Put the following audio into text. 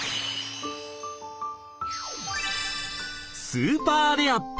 スーパーレア！